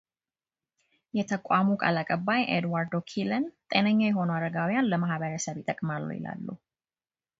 የተቋሙ ቃል አቀባይ ኤድዋርዶ ኪለን ጤነኛ የሆኑ አረጋውያን ለማኅበረሰብ ይጠቅማሉ ይላሉ።